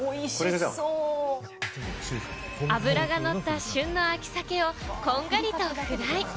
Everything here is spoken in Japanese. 脂がのった旬の秋鮭をこんがりとフライ。